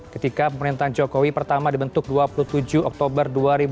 ketika pemerintahan jokowi pertama dibentuk dua puluh tujuh oktober dua ribu dua puluh